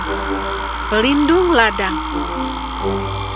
kau melindungi ladangku